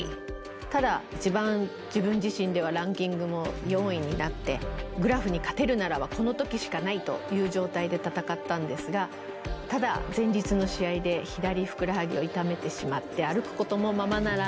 ただ一番自分自身ではランキングも４位になってグラフに勝てるならばこの時しかないという状態で戦ったんですがただ前日の試合で左ふくらはぎを痛めてしまって歩くこともままなら